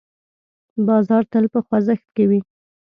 بازار تل په خوځښت کې وي.